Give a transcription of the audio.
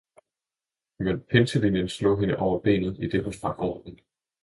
men pinseliljen slog hende over benet, i det hun sprang over den.